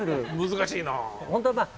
難しいなぁ。